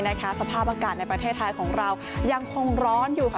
สภาพอากาศในประเทศไทยของเรายังคงร้อนอยู่ค่ะ